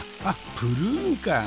「あっプルーンか！